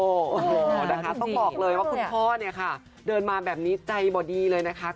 ต้องบอกเลยว่าคุณพ่อค่ะเดินมาแบบนี้ใจบอดีเลยนะคะ